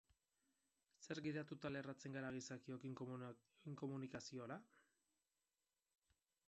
Zerk gidatuta lerratzen gara gizakiok inkomunikaziora?